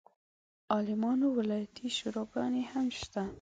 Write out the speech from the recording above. عالمانو ولایتي شوراګانې هم شته.